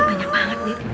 itu banyak banget deh